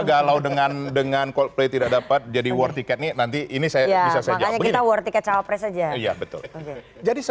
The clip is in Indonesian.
kalau sudah galau dengan coldplay tidak dapat jadi war ticket ini nanti ini saya bisa jawab begini